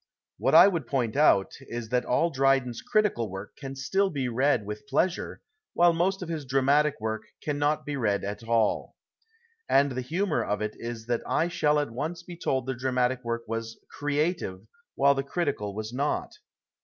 What I would point out is that all Drydens critical work 81) PASTICHE AND PREJUDICE can still be read ^vith pleasure, while most of his dramatic work cannot be read at all. And the humour of it is that I shall at once be told the dramatic work was " creative," while the critical was not.